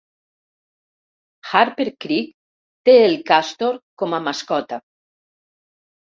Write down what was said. Harper Creek té el castor com a mascota.